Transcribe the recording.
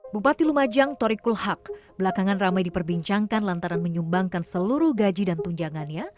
bupati lumajang tori kulhak belakangan ramai diperbincangkan lantaran menyumbangkan seluruh gaji dan tunjangannya